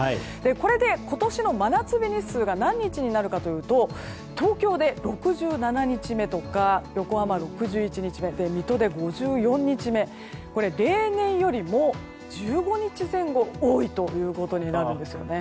これで今年の真夏日日数が何日になるかというと東京で６７日目とか横浜、６１日目水戸で５４日目で例年よりも１５日前後多いということになるんですね。